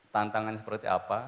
tantangan seperti apa